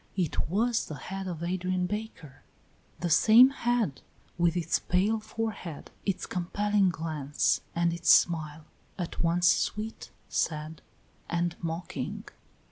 It was the head of Adrian Baker, the same head, with its pale forehead, its compelling glance, and its smile, at once sweet, sad, and mocking.